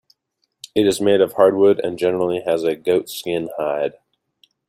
It is made of hardwood and generally has a goatskin hide.